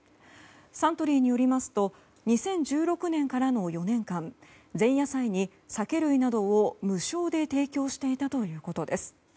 サントリーによりますと２０１６年からの４年間前夜祭に酒類などを無償で提供していたということです。